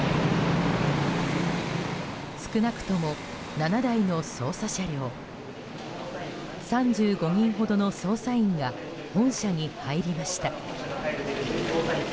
少なくとも７台の捜査車両３５人ほどの捜査員が本社に入りました。